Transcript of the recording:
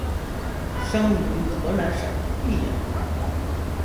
生于河南省泌阳。